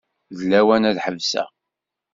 D lawan ad ḥebseɣ.